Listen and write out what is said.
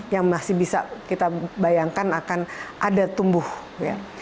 yang masih bisa kita bayangkan akan ada tumbuh ya